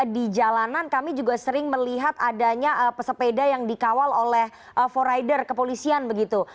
di jalanan kami juga sering melihat adanya pesepeda yang dikawal oleh for rider kepolisian begitu